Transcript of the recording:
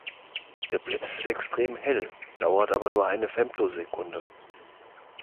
Der Blitz ist extrem hell, dauert aber nur eine Femtosekunde.